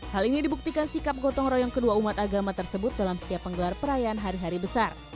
hal ini dibuktikan sikap gotong royong kedua umat agama tersebut dalam setiap penggelar perayaan hari hari besar